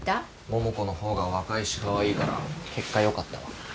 桃子の方が若いしカワイイから結果よかったわ。